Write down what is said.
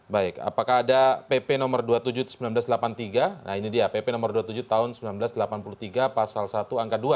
baik apakah ada pp nomor dua puluh tujuh seribu sembilan ratus delapan puluh tiga nah ini dia pp nomor dua puluh tujuh tahun seribu sembilan ratus delapan puluh tiga pasal satu angka dua